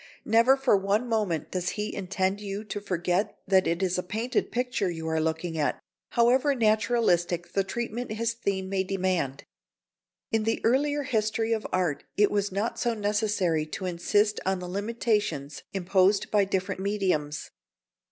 Never for one moment does he intend you to forget that it is a painted picture you are looking at, however naturalistic the treatment his theme may demand. In the earlier history of art it was not so necessary to insist on the limitations imposed by different mediums.